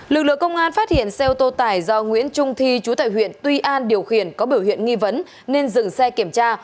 lực lượng công an phát hiện xe ô tô tải do nguyễn trung thi chú tại huyện tuy an điều khiển có biểu hiện nghi vấn nên dừng xe kiểm tra